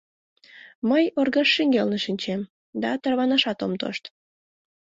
Мый оргаж шеҥгелне шинчем да тарванашат ом тошт.